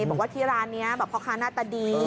บอกว่าที่ร้านนี้แบบพ่อค้าหน้าตาดี